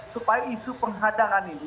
supaya isu penghadangan ini